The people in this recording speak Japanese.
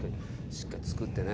しっかり作ってね。